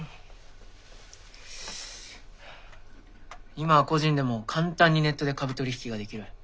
今は個人でも簡単にネットで株取り引きができる。